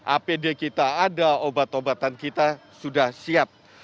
apd kita ada obat obatan kita sudah siap